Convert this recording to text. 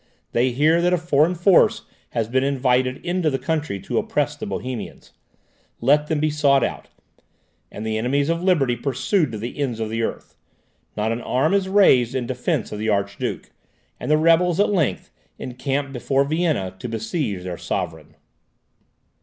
They hear that a foreign force has been invited into the country to oppress the Bohemians. Let them be sought out, and the enemies of liberty pursued to the ends of the earth. Not an arm is raised in defence of the Archduke, and the rebels, at length, encamp before Vienna to besiege their sovereign.